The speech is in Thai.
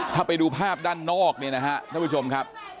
ถ้าไปดูภาพด้านนอกเนี่ยนะฮะท่านผู้ชมครับ